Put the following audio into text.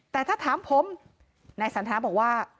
แต่ถ้าถามผมนายสันท้าบอกว่า